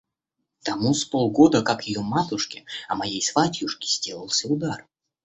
Тому с полгода, как ее матушке, а моей сватьюшке, сделался удар...